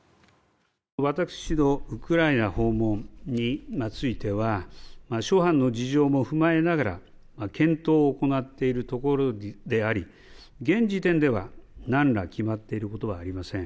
私のウクライナ訪問については諸般の事情も踏まえながら検討を行っているところであり現時点では何ら決まっていることはありません。